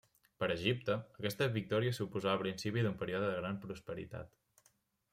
Per a Egipte, aquesta victòria suposava el principi d'un període de gran prosperitat.